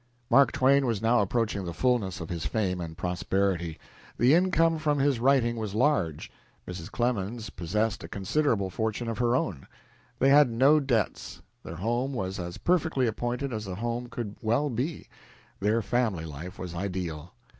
Mark Twain was now approaching the fullness of his fame and prosperity. The income from his writing was large; Mrs. Clemens possessed a considerable fortune of her own; they had no debts. Their home was as perfectly appointed as a home could well be, their family life was ideal.